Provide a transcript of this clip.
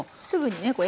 すぐにね